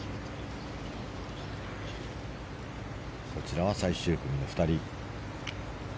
こちらは最終組の２人。